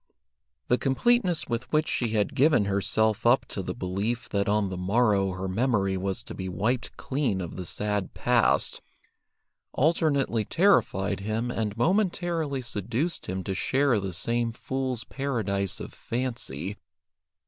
The completeness with which she had given herself up to the belief that on the morrow her memory was to be wiped clean of the sad past, alternately terrified him and momentarily seduced him to share the same fool's paradise of fancy.